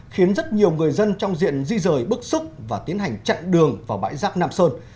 khiến rất nhiều người dân trong diện di rời bức xúc và tiến hành chặn đường vào bãi rác nam sơn